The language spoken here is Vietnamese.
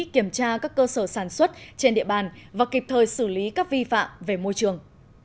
kiểm tra các cơ sở sản xuất trên địa bàn và kịp thời xử lý các vi phạm về môi trường